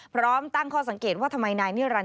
พร้อมตั้งข้อสังเกตว่าทำไมนายนิรันดิ